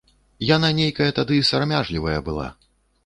Яна нейкая тады сарамяжлівая была.